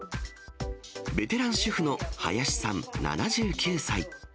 ベテラン主婦の林さん７９歳。